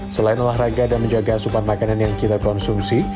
selain olahraga dan menjaga asupan makanan yang kita konsumsi